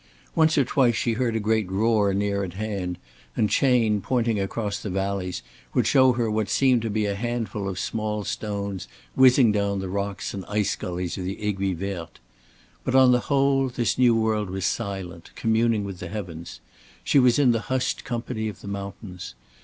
Once or twice she heard a great roar near at hand, and Chayne pointing across the valleys would show her what seemed to be a handful of small stones whizzing down the rocks and ice gullies of the Aiguille Verte. But on the whole this new world was silent, communing with the heavens. She was in the hushed company of the mountains.